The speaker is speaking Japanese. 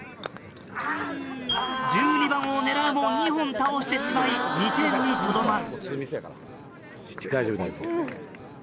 １２番を狙うも２本倒してしまい２点にとどまる。